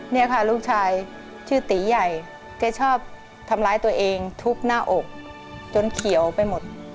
เนี่ยค่ะลูกชายชื่อตีใหญ่แกชอบทำร้ายตัวเองทุบหน้าอกจนเขียวไปหมด